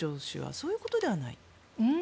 そういうことではないですか？